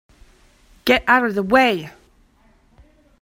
Get out of the way!